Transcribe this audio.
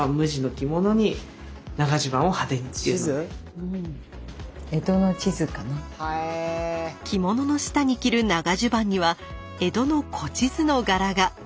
着物の下に着る長襦袢には江戸の古地図の柄が。